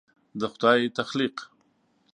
د خدای تخلیق